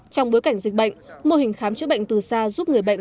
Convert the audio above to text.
trong bối cảnh dịch bệnh mô hình khám chữa bệnh từ xa giúp người bệnh